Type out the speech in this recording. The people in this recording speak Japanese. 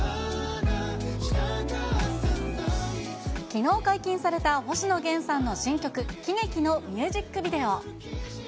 きのう解禁された星野源さんの新曲、喜劇のミュージックビデオ。